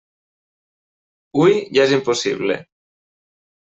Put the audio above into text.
Hui ja és impossible.